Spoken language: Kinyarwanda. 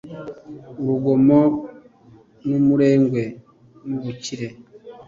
urugomo n’umurengwe n’ubukire